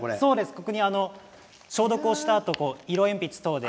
ここに消毒したあと色鉛筆等で。